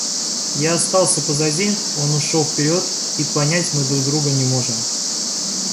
Я остался позади, он ушел вперед, и понять мы друг друга не можем.